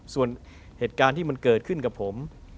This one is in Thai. ส่วนเหตุการณ์ที่มันเกิดขึ้นกับผม